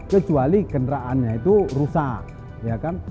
kecuali kenderaannya itu rusak